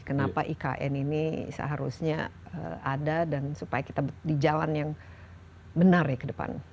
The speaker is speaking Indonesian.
kenapa ikn ini seharusnya ada dan supaya kita di jalan yang benar ya ke depan